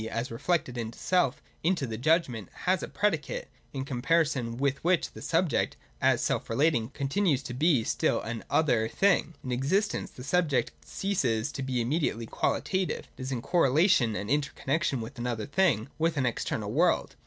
as re flected into self ) into the judgment, has a predicate, in comparison with which the subject, as self relating, continues to be still an other thing. — In existence the subject ceases to be immediately qualitative, it is in correlation, and inter connexion with an other thing, — with an external world.